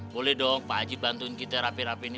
boleh dong pak ji bantuin kita rapihin rapihin